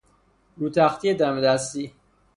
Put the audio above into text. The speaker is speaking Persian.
روتختی دم دستی